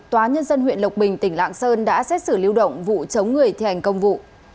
tòa nhân dân huyện lộc bình tỉnh lạng sơn đã xét xử lưu động vụ chống người thi hành công vụ